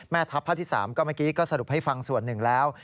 ทัพภาคที่๓ก็เมื่อกี้ก็สรุปให้ฟังส่วนหนึ่งแล้ว